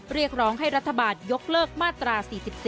เรียกร้องให้รัฐบาลยกเลิกมาตรา๔๔